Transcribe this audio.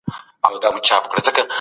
هر تار یې په ګوتو راټول شوی.